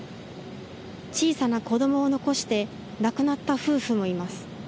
小さな子どもを残して亡くなった夫婦もいます。